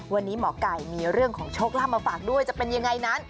วันนี้หมอไก่มีเรื่องของโชคลาภมาฝากด้วยจะเป็นยังไงนั้น